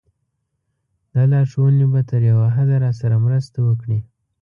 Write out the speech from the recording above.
دا لارښوونې به تر یوه حده راسره مرسته وکړي.